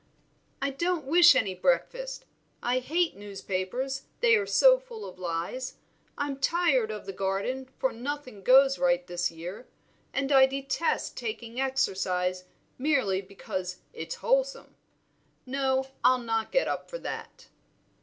"I don't wish any breakfast; I hate newspapers, they are so full of lies; I'm tired of the garden, for nothing goes right this year; and I detest taking exercise merely because it's wholesome. No, I'll not get up for that."